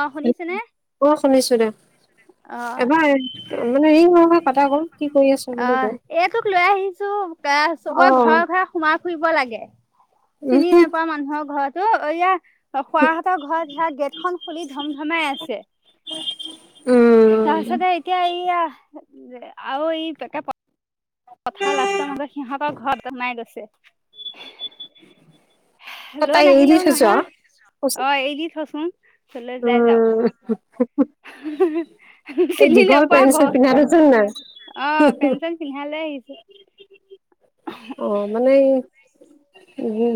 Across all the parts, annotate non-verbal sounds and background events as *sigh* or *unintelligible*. অ শুনিছেনে অ', শুনিছোঁ দে। অ এবাৰ মানে ই হল নহয় কথাবোৰ, কি কৰি আছ বোলে তই? বাহ, অ চবৰে ঘৰে ঘৰে সোমাই ফুৰিব লাগে। চিনি উম নাপাওঁ মানুহৰ ঘৰতো, ঐয়া খুৰাহতৰ ঘৰত ধৰা গেট খন খুলি ধম ধমাই আছে। *unintelligible* উম তাৰপিছতে এতিয়া এইয়া আৰু এই একে পথাৰৰ লাষ্টৰ মাজত সিহঁতৰ ঘৰত জনাই গৈছে। তই লৈ তাই এৰি দি নাহিলেওঁ থৈছ নহয়, অ', এৰি দি থচোন কলৈ যাই যাওঁক। উম *inaudible* *unintelligible* এই চিনি দীঘল নেপাওঁ পেন্ট চেন্ট ঘৰ, পিন্ধাটো চোন নাই অ', পেন চেন পিন্ধাই লৈ আহিছে। অ', মানে এই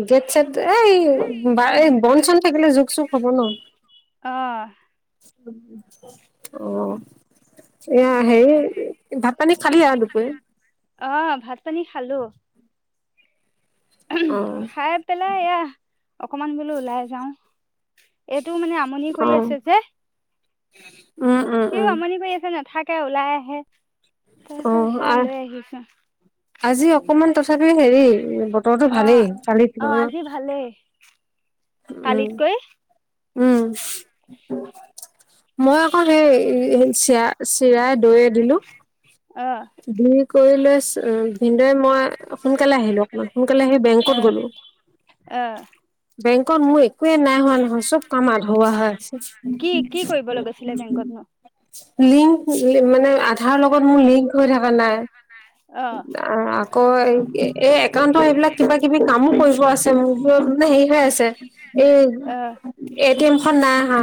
গেট চেট, এই, এই বন চন থাকিলে জুক চুক হ'ব ন'? অ'। অ', এইয়া হেৰি ভাত পানী খালি আৰু দুপৰিয়া? অ', ভাত পানী খালোঁ। অ'। খাই পেলাই এইয়া, অকমান বোলো ওলাই যাওঁ। এইটো মানে আমনি অ কৰি আছে যে। উম উম সিও উম আমনি কৰি আছে, নাথাকে ওলাই আহে। তাৰপিছত অ', সেয়া আহ, লৈ আহিছো আজি অকমান তথাপিও হেৰি বতৰটো ভালেই অ', কালি অ', আজি ভালেই, উম কালিতকৈ। উম, মই আকৌ হেৰি, চিৰা, চিৰাই দৈয়ে দিলোঁ। অ দি কৰি লৈ ভিনদেউৱে মই সোনকালে আহিলোঁ, সোনকালে আহি অ বেংকত গলোঁ, অ বেংকত মোৰ একোয়েই নাই হোৱা নহয়, চব কাম আধৰুৱা হৈ আছে। কি কি কৰিবলৈ গৈছিলে বেংকতনো লিংক মানে, আধাৰ লগত মোৰ লিংক হৈ থকা নাই। অ আকৌ, এই একাউন্টৰ এইবিলাক কিবা কিবি কামো কৰিব আছে। মোৰ হেৰি হৈ আছে, এই অ'। এ টি এম খন নাই অহা,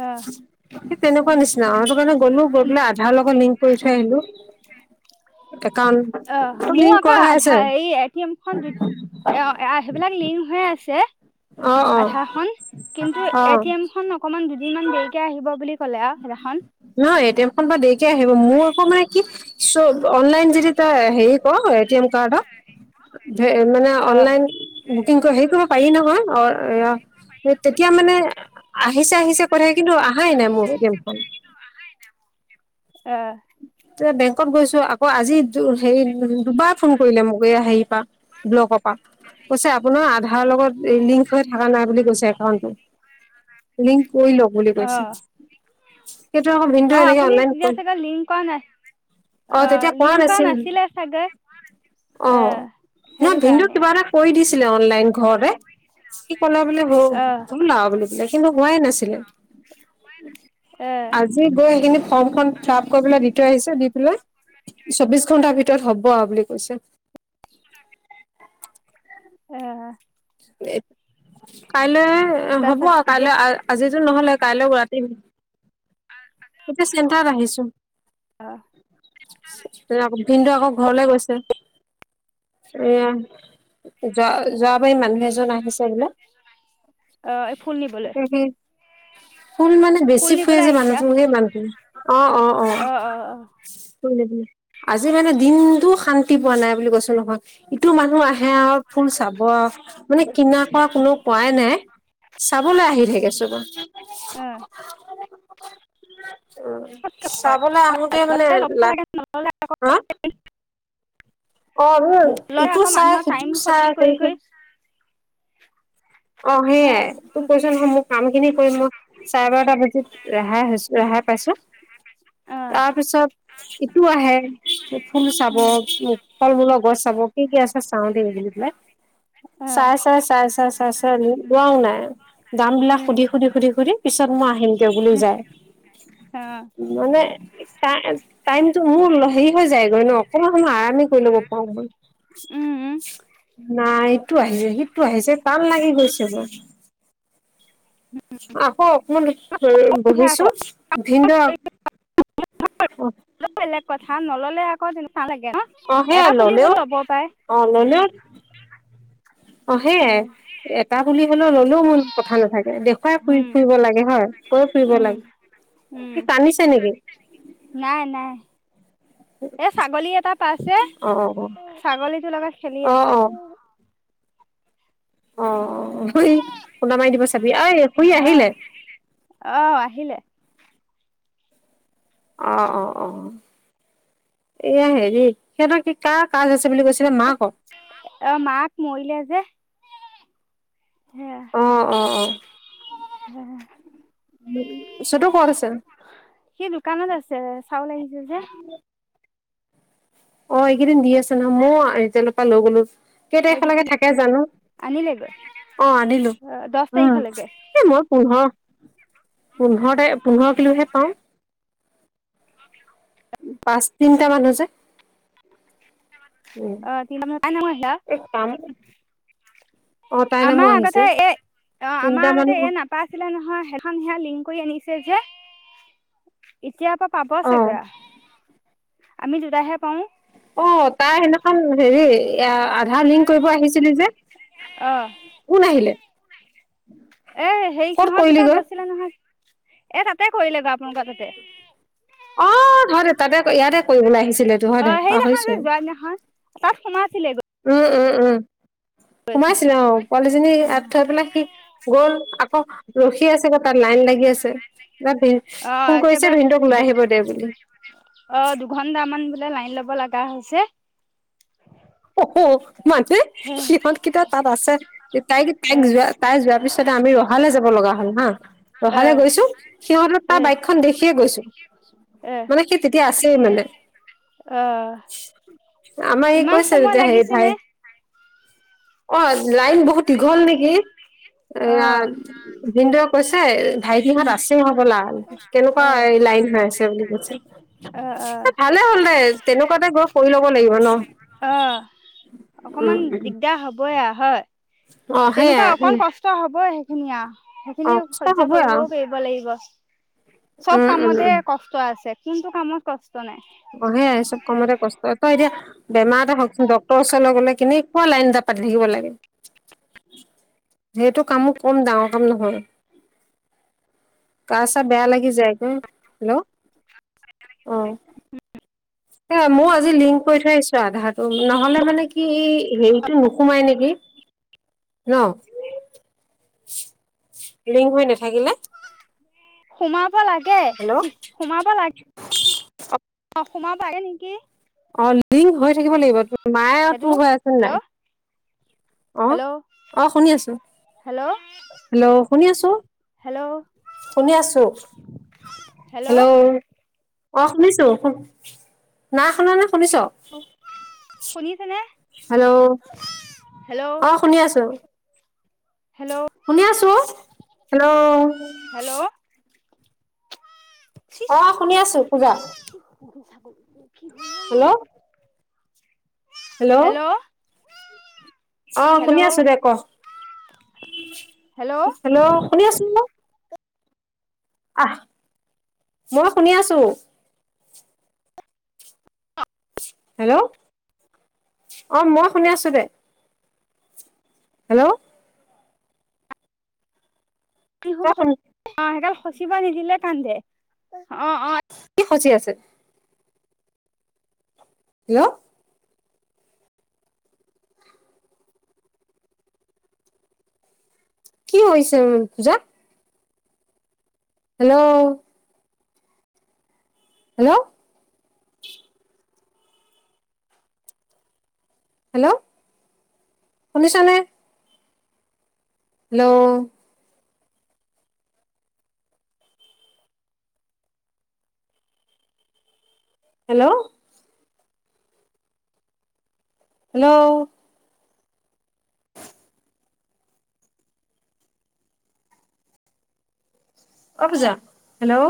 অ সেই তেনেকুৱা নিচিনা, অ', সেইটো কাৰণে গ'লো, গৈ পেলাই আধাৰৰ লগত লিংক কৰি থৈ আহিলোঁ, একাউণ্ট অ', মোৰ লিংক কৰা আকৌ হৈ আছে আধাৰ, এই এ টি এম খন, সেইবিলাক লিংক হৈ আছে। অ অ আধাৰ খন, কিন্তু অ এটি এম খন অকণমান দুদিনমান দেৰিকে আহিব বুলি ক'লে আৰু সেইদিনাখন। নহয়, এ টি এম খন বাৰু দেৰিকে আহিব, মোৰ আকৌ মানে কি? চ' অনলাইন যদি তাৰ হেৰি ক, এ টি এম কাৰ্ডৰ মানে অ অনলাইন বুকিং, হেৰি কৰিব পাৰি নহয়, অ', এ এই তেতিয়া মানে, আহিছে আহিছে কৈ থাকে, কিন্তু অহাই নাই মোৰ। এ টি এম খন। আ। এ বেংকত গৈছো, আকৌ আজি হেৰি দুবাৰ ফোন কৰিলে, মোক এইয়া হেৰি পা। ব্লকৰ পা। কৈছে, আপোনাৰ আধাৰ লগত লিংক হৈ থকা নাই বুলি কৈছে একাউণ্টটো। লিংক কৰি লওঁক বুলি অ কৈছে। সেইটো আকৌ অ ভিনদেউ এনেকে আপুনি অনলাইন তেতিয়া কৰিম। চাগে লিংক কৰা নাই অ তেতিয়া কোৱা লিংক কৰা নাছিল, নাছিলে চাগে অ এ নহয় সেইটো ভিনদেউ কাৰণে কিবা এটা কৰি দিছিলে অনলাইন ঘৰতে, সি কলে বুলি হল। অ' আৰু বুলি কলে, কিন্তু হোৱাই নাছিলে। *inaudible* এ। আজি গৈ সেইখিনি ফৰ্মখন ফিলাপ কৰি পেলাই দি থৈ আহিছে, দি পেলাই চৌবিশ ঘন্টাৰ ভিতৰত হ'ব আৰু বুলি কৈছে। হে। কাইলৈ হ'ব তাৰপিছত আৰু এতিয়া কাইলৈ আজিটো নহ'লে, কাইলৈ ৰাতি এতিয়া চেণ্টাৰত আহিছো। অঁ। ভিনদেউ আকৌ ঘৰলে গৈছে। এয়া, যোৱা যোৱাবাৰি মানুহে মানুহজন আহিছে বোলে, অ' ফুল নিবলৈ তাকে সেই ফুন মানে, ফুল বেছি ফুৰে নিবলৈ যে আহিছে মানুহটো সেই মানুহটো অ' অ' অ'। আজি মানে দিনটো শান্তি পোৱা নাই বুলি কৈছো নহয়। ইটো মানুহ আহে আৰু ফুল চাব, মানে কিনা কৰা কোনো কোৱাই নাই। চাবলে আহি থাকে চবে। অ। চাবলে আহোতে মানে, গ'লে ল'ব লা লাগে হা লৈ ইটো আকৌ চাই, মানুহৰ টাইম সিটো ক্ষতি চাই কৰি সেই কৰি অ হা সেইয়াই তোক কৈছো নহয়, মোৰ কাম খিনি কৰি মই চাৰে বাৰটা বজাত ৰেহাই হৈছো, ৰেহাই। পাইছো, অ' তাৰপিছত ইটো আহে। ফুল চাব, উম ফল মূলৰ গছ চাব, কি কি আছে চাওঁ দেই বুলি পেলাই। অ' চাই, চাই, চাই, চাই, চাই, চাই লোৱাও নাই, দাম বিলাক উম সুধি, সুধি, সুধি, সুধি। পিছত মই আহিম দিয়ক বুলি যায়। অ' মানে টাইমটো মোৰ হেৰি হৈ যায়গৈ ন, অকমান সময় আৰামি কৰি ল'ব পাৰো। উম নাই এইটো আহিছে, সিটো আহিছে, টান লাগি গৈছে মোৰ। আকৌ অকমান উঠে বহিছো। আকৌ ভিনদেউ অ। বেলেগ কথা, নললে আকৌ তেনেকুৱা লাগে ন, অ সেয়া এটা পুলি ললেও হলেও লব পাৰে। অ ললেও অ সেইয়ে, এটা পুলি হলেও ললেও কোনো কথা নাথাকে, দেখুৱাই ফুৰি উম ফুৰিব লাগে হয়। কৈ ফুৰিব উম লাগে, উম সি কান্দিছে নিকি? নাই, নাই। অঁ ছাগলী এটা পাইছে অ, ছাগলীটো লগত খেলি অ আছে। অ অ অ' অ' খুন্দা মাৰি দিব চাবি। ঐ? আ, অ আহিলে। অ'অ' অ'। এয়া হেৰি, সিহঁতৰ কি কাৰ কাজ আছে বুলি কৈছিলে মাকৰ? অ' মাক মৰিলে যে। অ', অ', অ'। ৰাহ! বস্তুতো ক'ত আছে? সি দোকানত আছে, চাউল আহিছে যে। অ' এইকেইদিন দি আছে নহয়, ময়ো ৰিতিলৰ পৰা লৈ গ'লো কেই তাৰিখলৈকে এইকেইদিন থাকে জানো, আনিলেগৈ অ' আনিলো অ দহ উম। তাৰিখলৈকে এই মই পোন্ধৰ, পোন্ধৰতে পোন্ধৰ কিলোহে পাওঁ। পাঁচ, তিনটা মানুহ যে। উম অ' তিনটা *inaudible* এই কাম অ তাইৰ নামো আমাৰ আহিছে আগতে এ, অ' তিনটা আমাৰ আগতে মানুহ এ নাপ পাইছিলে নহয়, সেইখন সেয়া লিংক কৰি আনিছে যে, এতিয়াপা পাব অ চাগৈ আৰু, আমি দুতাহে পাওঁ। অ' তাৰ সেনেখন হেৰি, আ-আধাৰ লিংক কৰিব আহিছিলি যে। অহ'। কোন আহিলে? এ হেৰি ক'ত সিহঁত দুটা কৰিলিগৈ গৈছিলে নহয়, এ তাতে কৰিলে গৈ আপোনালোকৰ তাতে। অ' *inaudible* তাতে ইয়াতে কৰিবলৈ আহিছিলে। অ' সেইদিনাখন যে, যোৱাদিনাখন তাত সোমাইছিলে গৈ। উম, উম, উম। সোমাইছিলো অ' পোৱালীজনী ই অ থৈ পেলাই সি গ'ল আকৌ ৰখি আছে গৈ তাত লাইন লাগি আছে ছে, *inaudible* ভিন, অ ফোন কৰিছে ভিনদেউক লৈ একেবাৰে আহিব দে বুলি। অ' দুঘন্টামান বোলে লাইন ল'ব লগা হৈছে? অ'হ' মানে হে সিহঁতকেইটা তাত আছে, তাইক, তাইক এ যোৱা তাই যোৱাৰ পিছতে আমি ৰহালৈ যাব লগা হ'ল হা, এ ৰহালৈ গৈছো সিহঁতৰ তাৰ এ বাইকখন খন দেখিয়ে গৈছো, এ মানে সি তেতিয়া আছেই মানে। অ আমাৰ ই ইমান কৈছে সময় যেতিয়া হেৰি ভাই লাগিছেনে অ' লাইন বহুত দীঘল নেকি, অ এয়া। ভিনদৱে কৈছে ভাইটিহত উম আছে হ'বলা, কেনেকুৱা অ লাইন হৈ আছে বুলি কৈছে। অ অ ভালে হ'ল দে তেনেকুৱাতে গৈ কৰি ল'ব লাগিব ন। অ' উম অকমান উম দিগদাৰ হ'বই আৰু হয়। অ তেনেকুৱা সেইয়াই উম অকন কষ্ট হ'বই সেইখিনিয়ে আৰু, অ সেইখিনি কষ্ট সহ্য হ'বই আৰু কৰিবও পাৰিব দিব লাগিব, চব উম উম কামতে উম কষ্ট আছে। কোনটো কামত কষ্ট নাই। অ' সেইয়াই এই চব কামৰে কষ্ট হয়, তই এতিয়া বেমাৰ এটা হওক চোন ডক্তৰৰ ওচৰলৈ গ'লে, কেনেকুৱা লাইন এটা পাতি থাকিব লাগে। যিহেতু কামো কম ডাঙৰ কাম নহয়। গা-চা বেয়া লাগি যায় ন। হেল্ল', অ'। উম। সেইয়াই মইও আজি লিংক কৰি থৈ আহিছো, আধাৰটো নহ'লে মানে কি এই হেৰিটো নোসোমাই নেকি। ন, লিংক হৈ নাথাকিলে। সোমাব লাগে, হেল্ল' চি সোমাব লাগে। অ' সোমাব পাৰে নেকি। অ' লিংক হৈ থাকিব লাগিব, মায়ে আৰু সেইটো তোৰ হৈ আছে নাই। হেল্ল' অ হেল্ল' অ শুনি আছো হেল্ল' হেল্ল' শুনি আছো হেল্ল' শুনি আছো হেল্ল' অ শুনিছো শুন না শুনা নে শুনিছ শুনিছেনে হেল্ল' হেল্ল' অ শুনি আছো হেল্ল শুনি আছো হেল্ল' হেল্ল' অ শুনি আছো শুন উহো চাব উ কি হল অ হেল্ল' অ শুনি আছো দে ক হেল্ল' শুনি আছো ন আহ মই শুনি আছো হেল্ল' অঁ মই শুনি আছোঁ দে হেল্ল' তই সেইসোপা খ অ সেগাল খচিবা নিদিলে কান্দে অ অ কি খচি আছে হেল্ল' কি হৈছে উম পূজা হেল্ল' হেল্ল' হেল্ল' শুনিছানে হেল্ল' হেল্ল' হেল্লৌ অ পূজা হেল্ল'